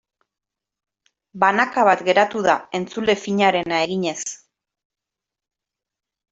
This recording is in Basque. Banaka bat geratu da entzule finarena eginez.